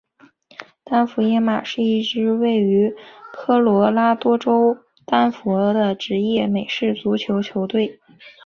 丹佛野马是一支位于科罗拉多州丹佛的职业美式足球球队。